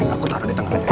aku taro di tengah aja ya